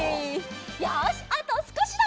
よしあとすこしだ！